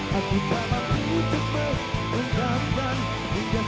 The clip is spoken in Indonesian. hati tak mampu cepat menerangkan